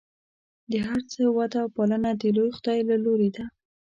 د هر څه وده او پالنه د لوی خدای له لورې ده.